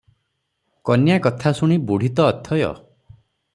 କନ୍ୟା କଥା ଶୁଣି ବୁଢ଼ୀ ତ ଅଥୟ ।